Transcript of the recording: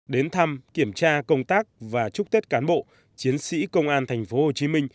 đến thăm kiểm tra công tác và chúc tết cán bộ chiến sĩ công an tp hcm